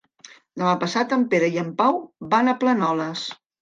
Demà passat en Pere i en Pau van a Planoles.